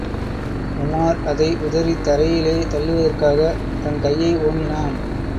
உமார் அதை உதறித் தரையிலே தள்ளுவதற்காகத் தன் கையை ஓங்கினான்.